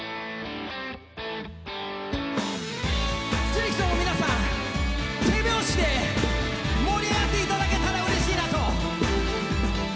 ぜひとも皆さん手拍子で盛り上がっていただければうれしいなと。